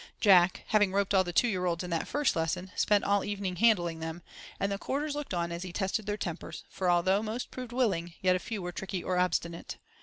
Jack, having "roped all the two year olds" in that first lesson, spent all evening handling them, and the Quarters looked on as he tested their tempers, for although most proved willing, yet a few were tricky or obstinate.